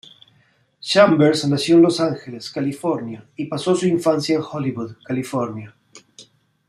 Chambers nació en Los Angeles, California y pasó su infancia en Hollywood, California.